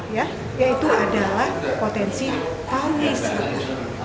yaitu adalah potensi awal wisata